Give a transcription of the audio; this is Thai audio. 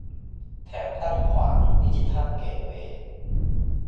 แถมตั้งขวางดิจิทัลเกตเวย์